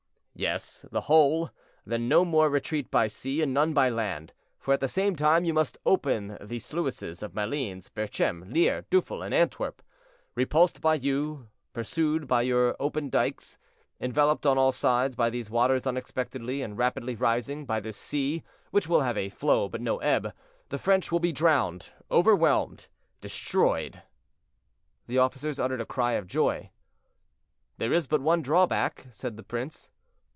"Yes, the whole; then no more retreat by sea and none by land, for at the same time you must open the sluices of Malines, Berchem, Lier, Duffel, and Antwerp. Repulsed by you, pursued by your open dykes, enveloped on all sides by these waters unexpectedly and rapidly rising, by this sea, which will have a flow, but no ebb, the French will be drowned—overwhelmed—destroyed." The officers uttered a cry of joy. "There is but one drawback," said the prince.